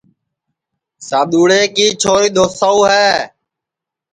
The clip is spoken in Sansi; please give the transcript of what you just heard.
سادُؔوݪے کی چھوری دؔوساؤ ہے